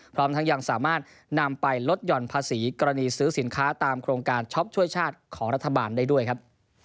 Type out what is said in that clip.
พร้อมทั้งยังสามารถนำไปลดหย่อนภาษีกรณีซื้อสินค้าตามโครงการช็อปช่วยชาติของรัฐบาลได้ด้วยครับ